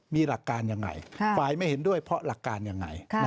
มีหลักการยังไงฝ่ายไม่เห็นด้วยเพราะหลักการยังไง